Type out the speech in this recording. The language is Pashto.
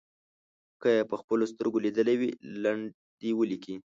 که یې په خپلو سترګو لیدلې وي لنډه دې ولیکي.